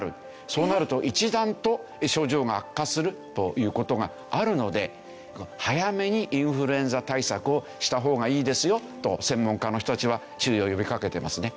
そうなると一段と症状が悪化するという事があるので早めにインフルエンザ対策をした方がいいですよと専門家の人たちは注意を呼びかけてますね。